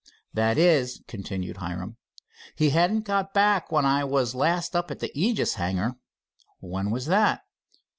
"That is," continued Hiram, "he hadn't got back when I was last up at the Aegis hangar." "When was that?"